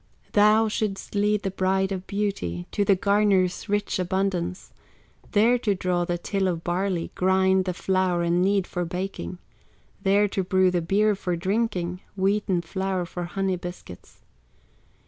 Thou shouldst lead the Bride of Beauty To the garner's rich abundance, There to draw the till of barley, Grind the flour and knead for baking, There to brew the beer for drinking, Wheaten flour for honey biscuits.